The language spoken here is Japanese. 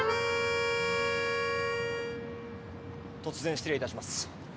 突然失礼いたします。